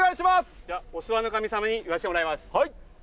お諏訪の神様に言わしてもらいます。